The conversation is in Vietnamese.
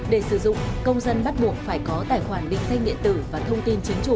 để sử dụng công dân bắt buộc phải có tài khoản định danh điện tử và thông tin chính chủ